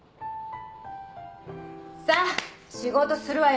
さぁ仕事するわよ！